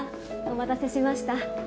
お待たせしました。